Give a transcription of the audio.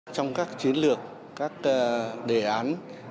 trong các chiến lược các đề án